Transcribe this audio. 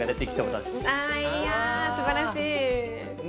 あっいやすばらしい。